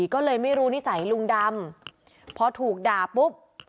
ก็เลยไม่รู้นิสัยลุงดำพอถูกด่าปุ๊บ